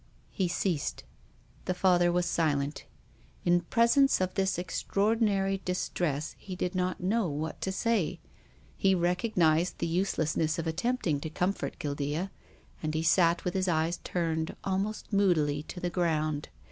He ceased. The Father was silent. In pres ence of this extraordinary distress he did not know what to say. He recognised the useless ness of attempting to comfort Guildea, and he sat with his eyes turned, almost moodily, to the ground.